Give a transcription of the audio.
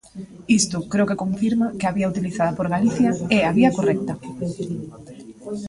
Isto creo que confirma que a vía utilizada por Galicia é a vía correcta.